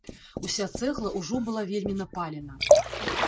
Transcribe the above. Уся цэгла ўжо была вельмі напалена.